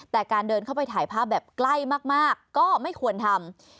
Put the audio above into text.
แต่การเดินเข้าไปถ่ายภาพแบบใกล้มากก็ไม่ควรทำ